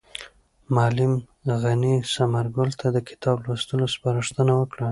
معلم غني ثمر ګل ته د کتاب لوستلو سپارښتنه وکړه.